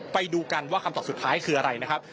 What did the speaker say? ไปดูกันว่าคำตอบสุดท้ายคืออะไรนะครับ